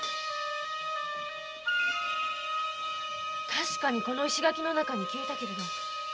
確かにこの石垣の中に消えたけれど。